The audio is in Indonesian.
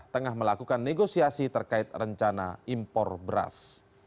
tengah melakukan negosiasi terkait rencana impor beras